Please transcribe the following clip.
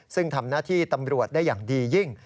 ซึ่งทำหน้าที่ตำรวจได้อย่างดียิ่ง